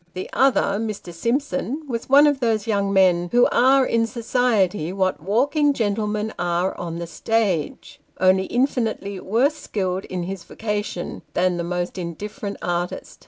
The other, Mr. Simpson, was one of those young men, who are in society what walk ing gentlemen are on the stage, only infinitely worse skilled in his vocation than the most indifferent artist.